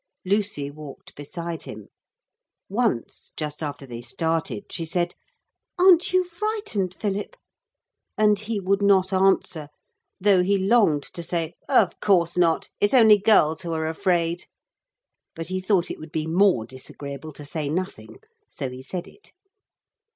Lucy walked beside him. Once, just after they started, she said, 'Aren't you frightened, Philip?' and he would not answer, though he longed to say, 'Of course not. It's only girls who are afraid.' But he thought it would be more disagreeable to say nothing, so he said it.